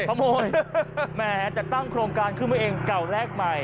แหมจัดตั้งโครงการขึ้นมาเองเก่าแรกใหม่